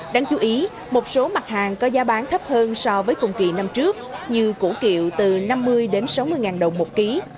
đáng chú ý một số mặt hàng có giá bán thấp hơn so với cùng kỳ năm trước như củ kiệu từ năm mươi đến sáu mươi ngàn đồng một ký